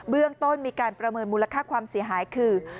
เรื่องต้นมีการประเมินมูลค่าความเสียหายคือ